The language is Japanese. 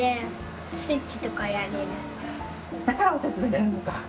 だからお手伝いやるのか。